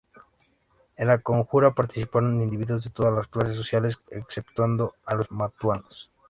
En la conjura participaron individuos de todas las clases sociales, exceptuando a los mantuanos.